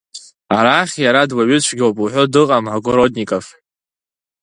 Арахь иара дуаҩы цәгьоуп уҳәо дыҟам Огородников…